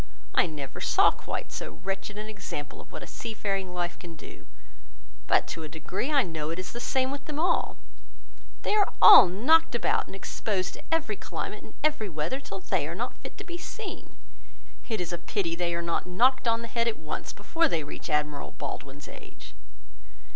I never saw quite so wretched an example of what a sea faring life can do; but to a degree, I know it is the same with them all: they are all knocked about, and exposed to every climate, and every weather, till they are not fit to be seen. It is a pity they are not knocked on the head at once, before they reach Admiral Baldwin's age."